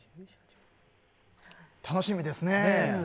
楽しみですね。